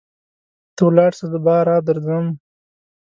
ته ولاړسه زه باره درځم.